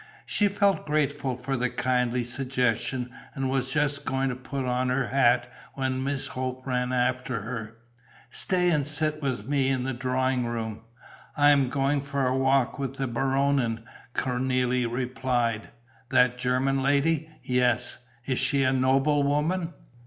She felt grateful for the kindly suggestion and was just going to put on her hat, when Miss Hope ran after her: "Stay and sit with me in the drawing room." "I am going for a walk with the Baronin," Cornélie replied. "That German lady?" "Yes." "Is she a noblewoman?"